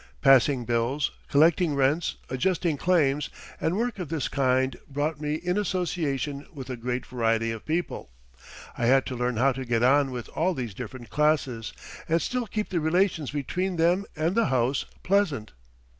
Passing bills, collecting rents, adjusting claims, and work of this kind brought me in association with a great variety of people. I had to learn how to get on with all these different classes, and still keep the relations between them and the house pleasant.